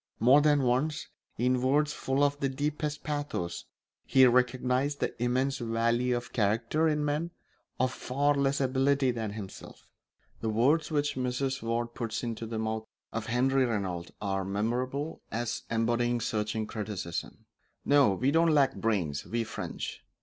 More than once, in words full of the deepest pathos, he recognised the immense value of character in men of far less ability than himself. The words which Mrs. Ward puts into the mouth of Henri Regnault are memorable as embodying searching criticism: "No, we don't lack brains, we French.